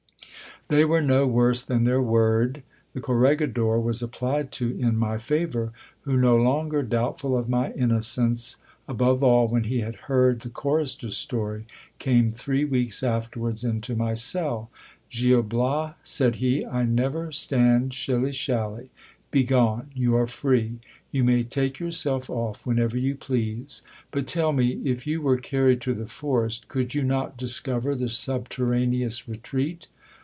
They were no worse than their word. The corregidor was applied to in my favour, who, no longer doubtful of my innocence, above all when he had heard the chorister's story, came three weeks afterwards into my cell. Gil Bias, said he, I never, stand shilly shally : begone, you are free ; you may take yourself off whenever you please. But, tell me, if you were carried to. the forest, could you not discover the subterraneous retreat